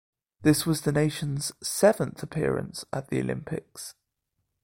This was the nation's seventh appearance at the Olympics.